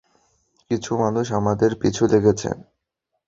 কিছু মানুষ আমাদের পিছু লেগেছে।